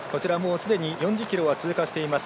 すでに４０ｋｍは通過しています。